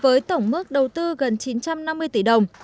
với tổng mức đầu tư gần chín trăm năm mươi tỷ đồng